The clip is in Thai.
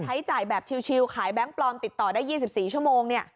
ใช้จ่ายแบบชิลขายแบงค์ปลอมติดต่อได้๒๔ชั่วโมง